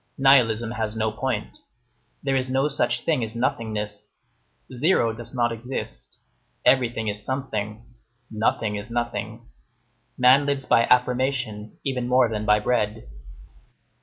Nihilism has no point. There is no such thing as nothingness. Zero does not exist. Everything is something. Nothing is nothing. Man lives by affirmation even more than by bread.